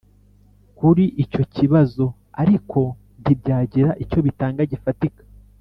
kuri icyo kibazo, ariko ntibyagira icyo bitanga gifatika.